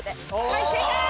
はい正解！